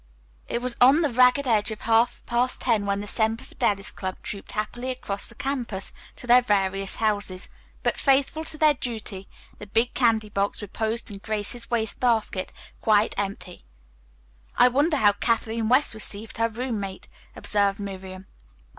It was on the ragged edge of half past ten when the Semper Fidelis Club trooped happily across the campus to their various houses, but, faithful to their duty, the big candy box reposed in Grace's waste basket, quite empty. "I wonder how Kathleen West received her roommate," observed Miriam.